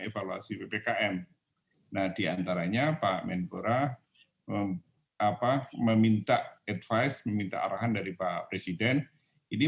evaluasi ppkm nah diantaranya pak menpora apa meminta advice meminta arahan dari pak presiden ini